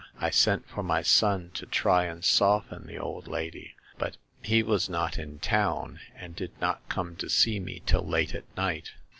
I sent for my son to try and soften the old lady, but he was not in town, and did not come to see me till late at night.